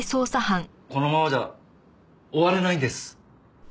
このままじゃ終われないんです。